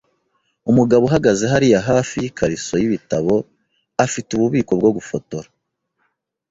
Umugabo uhagaze hariya hafi yikariso yibitabo afite ububiko bwo gufotora.